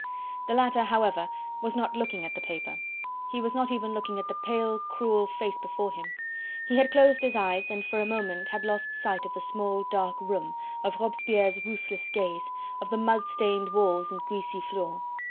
The latter, however, was not looking at the paper, he was not even looking at the pale, cruel face before him. He had closed his eyes and for a moment had lost sight of the small dark room, of Robespierre's ruthless gaze, of the mud stained walls and greasy floor.